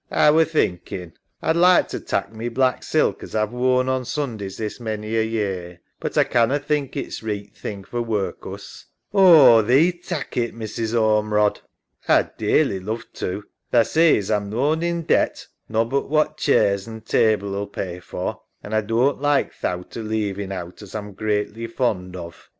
SARAH. A were thinking A'd like lo tak' my black silk as A've worn o' Sundays this many a year, but A canna think its reeght thing for workus. EMMA. Oh, thee tak' it, Mrs. Ormerod. SARAH. A'd dearly love to. Tha sees A'm noan in debt, nobbut what chairs an table 'uU pay for, and A doan't like thowt o' leaving owt as A'm greatly fond of.